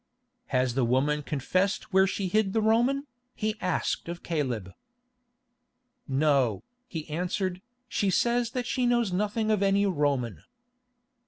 "Has the woman confessed where she hid the Roman?" he asked of Caleb. "No," he answered, "she says that she knows nothing of any Roman."